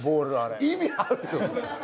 意味あるよ。